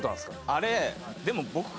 あれでも。